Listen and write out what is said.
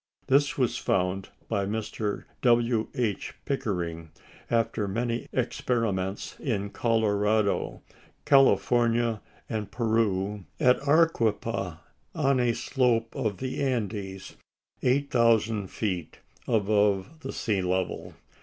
This was found by Mr. W. H. Pickering, after many experiments in Colorado, California, and Peru, at Arequipa, on a slope of the Andes, 8,000 feet above the sea level.